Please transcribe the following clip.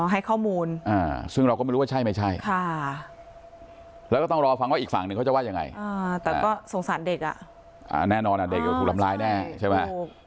ให้ข้อมูลซึ่งเราก็ไม่รู้ว่าใช่ไม่ใช่ค่ะแล้วก็ต้องรอฟังว่าอีกฝั่งหนึ่งเขาจะว่ายังไงแต่ก็สงสารเด็กอ่ะแน่นอนเด็กถูกทำร้ายแน่ใช่ไหม